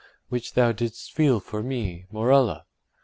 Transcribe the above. —which thou didst feel for me, Morella.